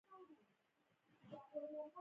په روڼو اوبو کې ډبرین دیوال ښکاره لیدل کیده.